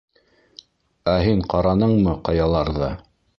— Ә һин ҡараныңмы ҡаяларҙы?